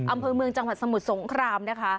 อำเภอเมืองจังหวัดสมุทรสงครามนะคะ